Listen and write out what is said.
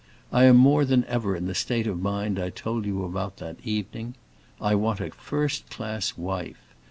I am more than ever in the state of mind I told you about that evening; I want a first class wife.